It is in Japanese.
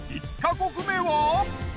１ヵ国目は。